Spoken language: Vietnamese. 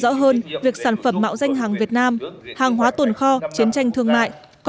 tình trạng bảo vệ tình trạng bảo vệ tình trạng bảo vệ tình trạng bảo vệ tình trạng bảo vệ tình trạng bảo vệ